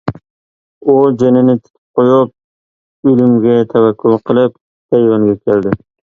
ئۇ جېنىنى تىكىپ قويۇپ، ئۆلۈمگە تەۋەككۈل قىلىپ تەيۋەنگە كەلدى.